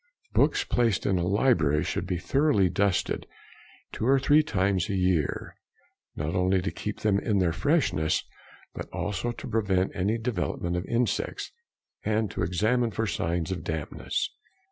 Books placed in a library should be thoroughly dusted two or three times a year, not only to keep them in all their freshness, but also to prevent any development of insects and to examine for signs of dampness.